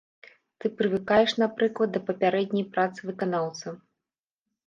Ты прывыкаеш, напрыклад, да папярэдняй працы выканаўцы.